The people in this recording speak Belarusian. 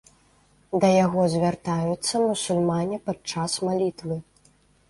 Да яго звяртаюцца мусульмане падчас малітвы.